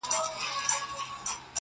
• دا کیسې چي دي لیکلي زموږ د ښار دي -